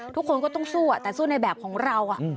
ทุกคนก็ต้องสู้แต่สู้ในแบบของเรา